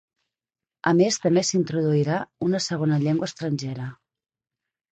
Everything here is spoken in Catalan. A més també s’introduirà una segona llengua estrangera.